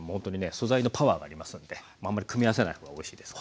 素材のパワーがありますのであんまり組み合わせない方がおいしいですから。